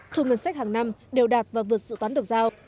thuộc ngân sách hàng năm đều đạt và vượt sự toán độc giao